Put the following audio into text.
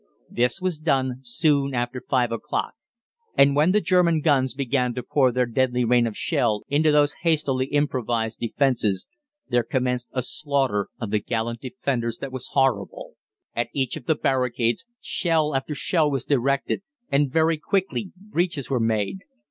This was done soon after five o'clock, and when the German guns began to pour their deadly rain of shell into those hastily improvised defences there commenced a slaughter of the gallant defenders that was horrible. At each of the barricades shell after shell was directed, and very quickly breaches were made.